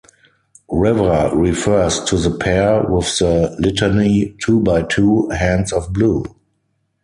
River refers to the pair with the litany "two by two, hands of blue".